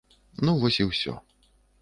Ну вось і ўсё.